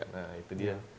nah itu dia